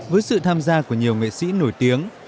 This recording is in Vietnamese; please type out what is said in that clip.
với sự tham gia của nhiều nghệ sĩ nổi tiếng